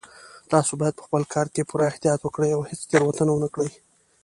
تاسو باید په خپل کار کې پوره احتیاط وکړئ او هیڅ تېروتنه ونه کړئ